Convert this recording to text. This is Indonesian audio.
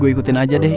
gue ikutin aja deh